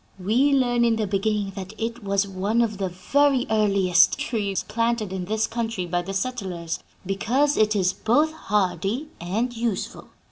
We learn in the beginning that it was one of the very earliest trees planted in this country by the settlers, because it is both hardy and useful.